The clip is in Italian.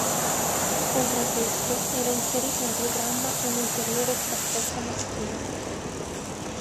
Oltre a queste, era inserita in programma un'ulteriore staffetta maschile.